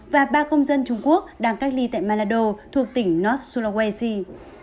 và ba công dân trung quốc đang cách ly tại manado thuộc tỉnh north africa